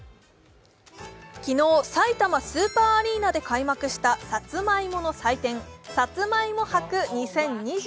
昨日、さいたまスーパーアリーナで開幕したさつまいもの祭典、さつまいも博２０２２。